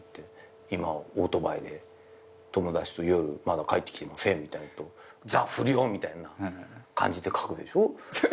今オートバイで友達と夜まだ帰ってきてませんみたいなこと言うとザ不良みたいな感じで書くでしょ？